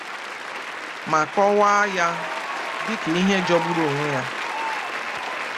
ma kọwaa ya dịka ihe jọgburu onwe ya